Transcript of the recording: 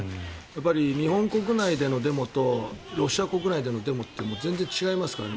やっぱり日本国内でのデモとロシア国内でのデモというのは全然違いますから。